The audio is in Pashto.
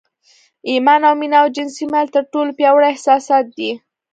ایمان او مینه او جنسي میل تر ټولو پیاوړي احساسات دي